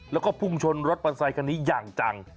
แล้วก็พุ่งชนรถปลาไซค์คันนี้อย่างจัง